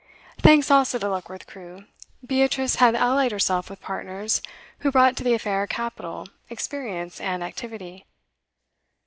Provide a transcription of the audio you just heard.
Thanks also to Luckworth Crewe, Beatrice had allied herself with partners, who brought to the affair capital, experience, and activity.